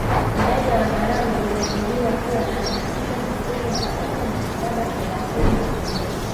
Idadi ya Wazaramo ilikadiriwa kuwalaki sita sitini na sita mia saba thelathini na moja